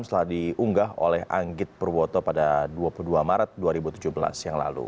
setelah diunggah oleh anggit purwoto pada dua puluh dua maret dua ribu tujuh belas yang lalu